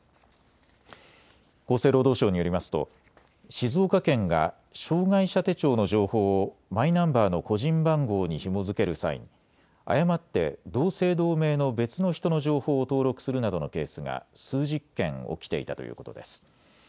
厚生労働省によりますと静岡県が障害者手帳の情報をマイナンバーの個人番号にひも付ける際に誤って同姓同名の別の人の情報を登録するなどのケースが数十件起きていたということです。